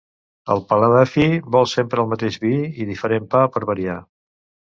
El paladar fi vol sempre el mateix vi, i diferent pa per variar.